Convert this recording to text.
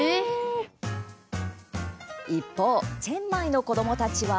一方チェンマイの子どもたちは。